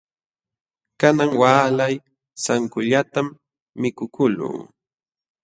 Kanan waalay sankullatam mikukuqluu.